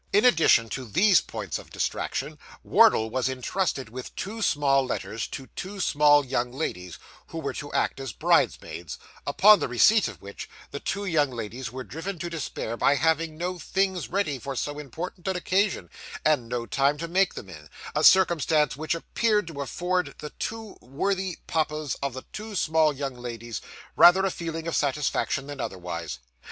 In addition to these points of distraction, Wardle was intrusted with two small letters to two small young ladies who were to act as bridesmaids; upon the receipt of which, the two young ladies were driven to despair by having no 'things' ready for so important an occasion, and no time to make them in a circumstance which appeared to afford the two worthy papas of the two small young ladies rather a feeling of satisfaction than otherwise.